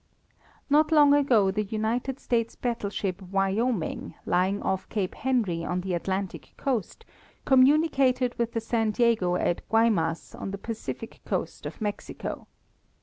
Not long ago the United States battle ship Wyoming, lying off Cape Henry on the Atlantic coast, communicated with the San Diego at Guaymas, on the Pacific coast of Mexico.